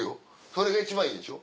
それが一番いいんでしょ？